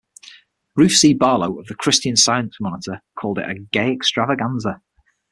Ruth C. Barlow of the "Christian Science Monitor" called it a "gay extravaganza".